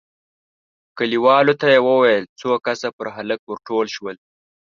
کليوالو ته يې وويل، څو کسه پر هلک ور ټول شول،